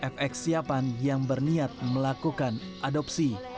fx siapan yang berniat melakukan adopsi